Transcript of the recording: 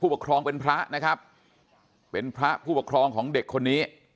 ปกครองเป็นพระนะครับเป็นพระผู้ปกครองของเด็กคนนี้